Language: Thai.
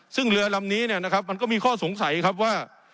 ซึ่งเรือลำนี้เนี่ยนะครับมันก็มีข้อสงสัยครับว่า